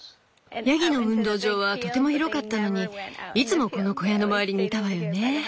ヤギの運動場はとても広かったのにいつもこの小屋の周りにいたわよね。